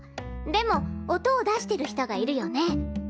でも音を出してる人がいるよね？